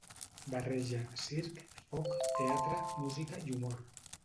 Barreja circ, foc, teatre, música i humor.